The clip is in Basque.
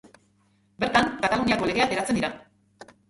Bertan, Kataluniako legeak eratzen dira.